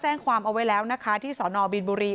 แจ้งความเอาไว้แล้วนะคะที่สนบินบุรี